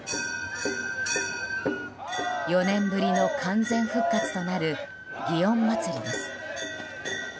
４年ぶりの完全復活となる祇園祭です。